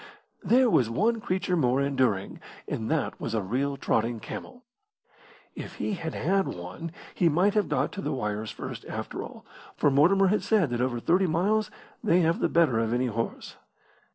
There was one creature more enduring, and that was a real trotting camel. If he had had one he might have got to the wires first after all, for Mortimer had said that over thirty miles they have the better of any horse.